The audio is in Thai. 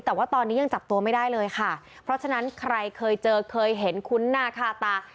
แต่ว่าตอนนี้ยังจับตัวไม่ได้เลยค่ะเพราะฉะนั้นใครเคยเจอเคยเห็นคุ้นหน้าค่าตา